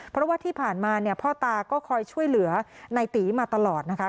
เพราะว่าที่ผ่านมาเนี่ยพ่อตาก็คอยช่วยเหลือในตีมาตลอดนะคะ